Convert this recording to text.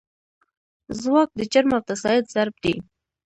ځواک د جرم او تساعد ضرب دی.